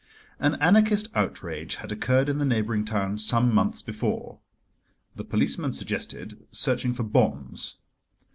An Anarchist outrage had occurred in the neighbouring town some months before. The policeman suggested searching for bombs.